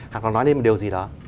hoặc là nói lên điều gì đó